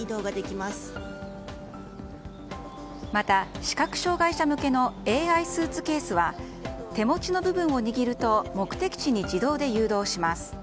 また視覚障害者向けのＡＩスーツケースは手持ちの部分を握ると目的地に自動で誘導します。